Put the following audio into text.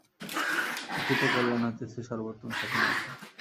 প্রকৃত কল্যাণ হইতেছে সর্বোত্তম স্বাধীনতা।